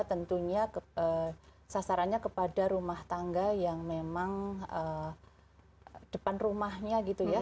tentunya sasarannya kepada rumah tangga yang memang depan rumahnya gitu ya